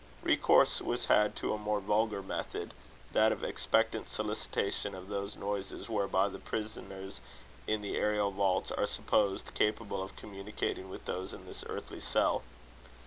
Recourse was had to a more vulgar method that of expectant solicitation of those noises whereby the prisoners in the aerial vaults are supposed capable of communicating with those in this earthly cell.